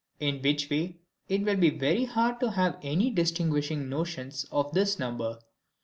In which way, it will be very hard to have any distinguishing notions of this number.